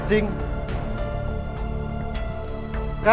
karena pengkhianatan kalian